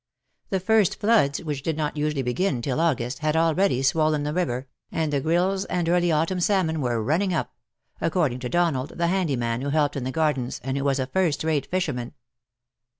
The first floods, which did not usually begin till August, had already swollen the river^ and the grilse and early autumn salmon were running up ; according to Donald, the handy man who helped in the gardens, and who was a first rate fisherman.